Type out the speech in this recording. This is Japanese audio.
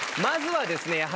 まずはですね